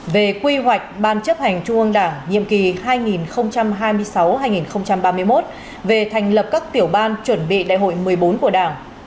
về quy hoạch ban chấp hành trung ương đảng nhiệm kỳ hai nghìn hai mươi sáu hai nghìn ba mươi một về thành lập các tiểu ban chuẩn bị đại hội một mươi bốn của đảng